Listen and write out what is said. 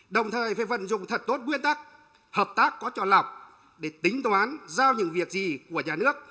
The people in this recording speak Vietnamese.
đồng thời phải vận dụng thật tốt nguyên tắc hợp tác có trọn lọc để tính toán giao những việc gì của nhà nước